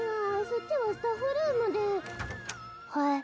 そっちはスタッフルームでほえ？